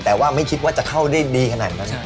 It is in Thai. แต่ว่าไม่คิดว่าจะเข้าได้ดีขนาดนั้น